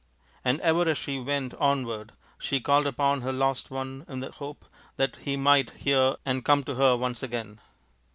And ever as she went onward she called upon her lost one in the hope that he might hear and come to her once again.